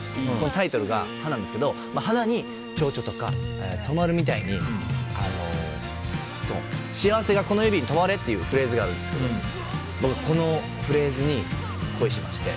タイトルが、花なんですけど花にチョウチョとか止まるみたいに幸せがこの指にとまれっていうフレーズがあるんですけど僕、このフレーズに恋しまして。